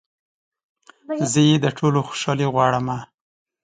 زه يې د ټولو خوشحالي غواړمه